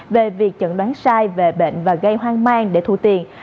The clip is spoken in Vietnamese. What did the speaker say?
về việc chẩn đoán sai về bệnh và gây hoang mang để thu tiền